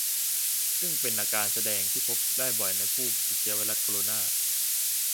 ซึ่งเป็นอาการแสดงที่พบได้บ่อยในผู้ติดเชื้อไวรัสโคโรนา